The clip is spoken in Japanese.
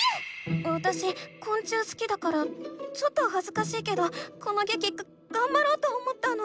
わたしこん虫すきだからちょっとはずかしいけどこのげきがんばろうと思ったの。